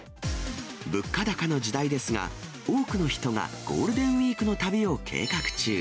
物価高の時代ですが、多くの人がゴールデンウィークの旅を計画中。